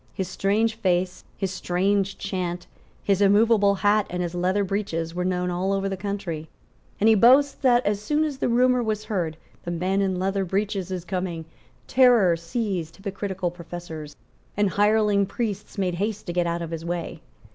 His strange face, his strange chant, his immovable hat and his leather breeches were known all over the country; and he boasts that, as soon as the rumour was heard, "The Man in Leather Breeches is coming," terror seized hypocritical professors, and hireling priests made haste to get out of his way.